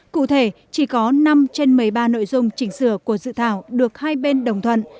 cụ thể chỉ có năm trên một mươi ba nội dung chỉnh sửa của dự thảo được hai bên đồng thuận